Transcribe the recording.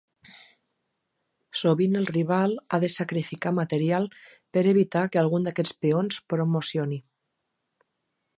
Sovint el rival ha de sacrificar material per evitar que algun d'aquests peons promocioni.